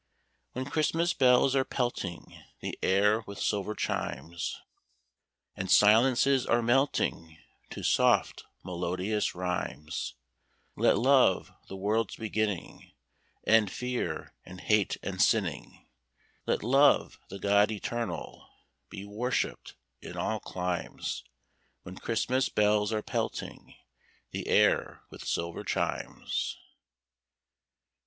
When Christmas bells are pelting the air with silver chimes, And silences are melting to soft, melodious rhymes, Let Love, the world's beginning, End fear and hate and sinning; Let Love, the God Eternal, be worshipped in all climes When Christmas bells are pelting the air with silver chimes.